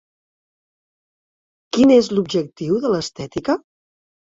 Quin és l'objectiu de l'estètica?